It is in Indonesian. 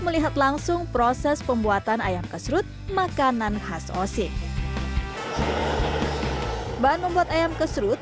melihat langsung proses pembuatan ayam kesrut makanan khas osing bahan membuat ayam kesrut